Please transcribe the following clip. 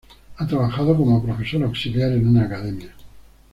Ha trabajado como profesor auxiliar en una academia.